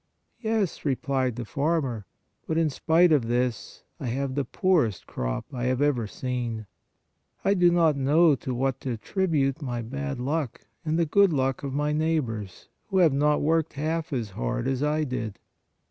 "Yes," replied the farmer, " but in spite of this, I have the poorest crop I have ever seen. I do not know to what to attribute my WHY WE SHOULD PRAY 13 bad luck and the good luck of my neighbors, who have not worked half as hard as I did."